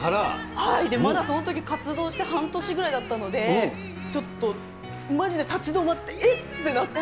はい、まだそのとき活動して半年ぐらいだったので、ちょっとまじで立ち止まって、えっ？ってなって。